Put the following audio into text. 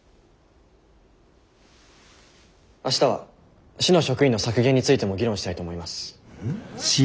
明日は市の職員の削減についても議論したいと思います。